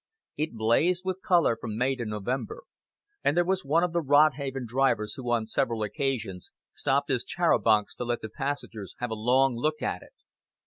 It blazed with color from May to November, and there was one of the Rodhaven drivers who on several occasions stopped his char à bancs to let the passengers have a long look at it.